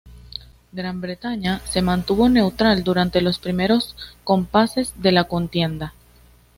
Gran Bretaña se mantuvo neutral durante los primeros compases de la contienda.